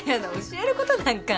教えることなんか。